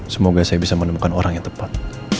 semoga saya bisa menemukan orang yang tepat